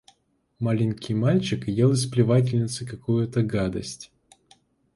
Маленький мальчик ел из плевательницы какую-то гадость.